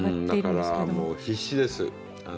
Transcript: だからもう必死です。